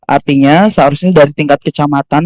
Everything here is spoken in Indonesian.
artinya seharusnya dari tingkat kecamatan